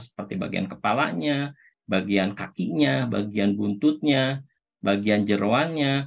seperti bagian kepalanya bagian kakinya bagian buntutnya bagian jerawannya